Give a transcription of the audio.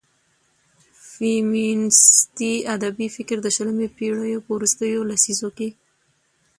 فيمينستي ادبي فکر د شلمې پېړيو په وروستيو لسيزو کې